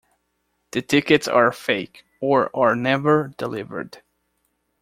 The tickets are fake, or are never delivered.